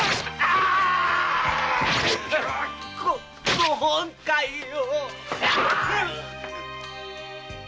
ご本懐を！